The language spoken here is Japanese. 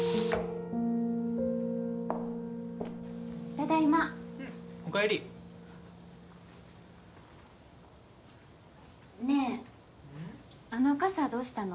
ただいまうんおかえりねえあの傘どうしたの？